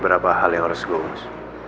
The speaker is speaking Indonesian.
masih ada beberapa hal yang harus gue umus